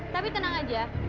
tapi tenang aja